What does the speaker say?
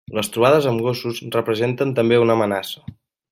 Les trobades amb gossos representen també una amenaça.